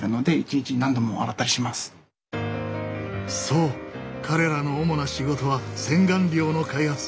そう彼らの主な仕事は洗顔料の開発。